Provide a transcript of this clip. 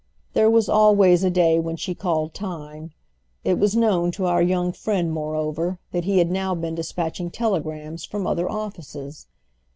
There was always a day when she called time. It was known to our young friend moreover that he had now been dispatching telegrams from other offices.